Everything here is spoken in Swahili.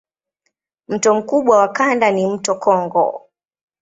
Mto mkubwa wa kanda ni mto Kongo.